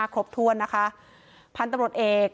ครบถ้วนนะคะพันธุ์ตำรวจเอก